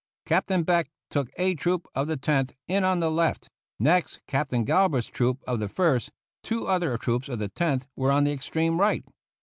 Captain Beck took A Troop of the Tenth in on the left, next Captain Galbraith's troop of the First; two other troops of the Tenth were on the extreme right.